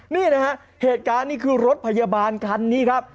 นี่นะฮะเหตุการณ์นี้คือรถพยาบาลคันนี้ครับ